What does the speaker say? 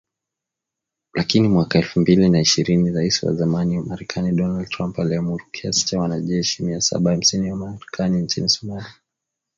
Lakini mwaka elfu mbili na ishirini Rais wa zamani Marekani Donald Trump aliamuru kiasi cha wanajeshi mia saba hamsini wa Marekani nchini Somalia.